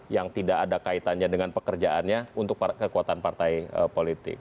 yang tidak ada kaitannya dengan pekerjaannya untuk kekuatan partai politik